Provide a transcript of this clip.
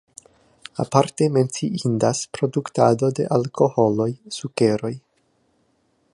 Aparte menciindas produktado de alkoholoj, sukeroj.